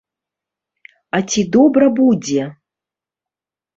А ці добра будзе?